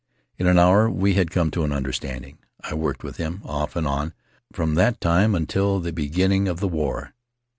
In an hour we had come to an understanding. I worked with him, off and on, from that time until the begin ning of the war.